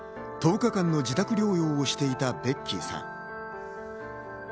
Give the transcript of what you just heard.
１０日間の自宅療養をしていたベッキーさん。